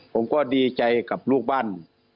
ผมก็ดีใจกับลูกบ้าน